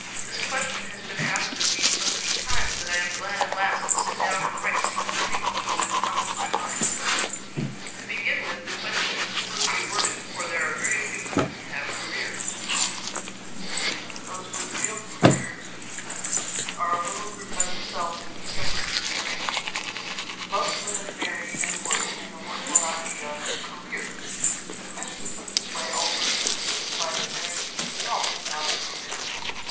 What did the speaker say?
This question has been asked of me so many times that I am glad at last to sit down and write some of the things which always come to my mind. To begin with, the question is foolishly worded, for there are very few women who have careers. Those with real careers are a little group by themselves needing separate consideration. Most women marry and work, and the work will not be a "career." The question put this way also seems to imply that marriage in itself is not a career.